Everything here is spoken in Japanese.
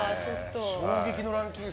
衝撃のランキング。